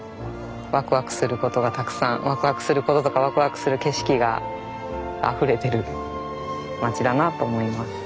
ワクワクすることがたくさんワクワクすることとかワクワクする景色があふれてる町だなと思います。